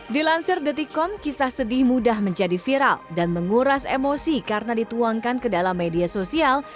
dilansir detikom kisah sedih mudah menjadi viral dan menguras emosi karena dituangkan ke dalam media sosial